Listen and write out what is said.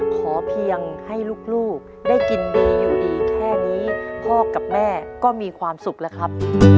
ขอเพียงให้ลูกได้กินดีอยู่ดีแค่นี้พ่อกับแม่ก็มีความสุขแล้วครับ